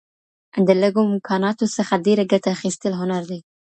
د لږو امکاناتو څخه ډېره ګټه اخيستل هنر دی.